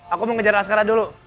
aku mau ngejar askara dulu